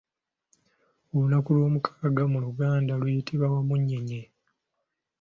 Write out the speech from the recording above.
Olunaku olw'omukaaga mu luganda luyitibwa Wamunyeenye.